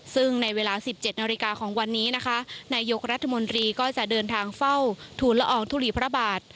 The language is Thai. ซึ่งในเวลา๑๗นาฬิกาของวันนี้นะคะนายกรัฐมนตรีก็จะเดินทางเฝ้าทูลละอองทุลีพระบาท